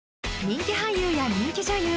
人気俳優や人気女優